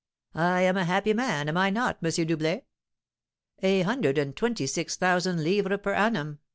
"I am a happy man, am I not, M. Doublet? A hundred and twenty six thousand livres per annum!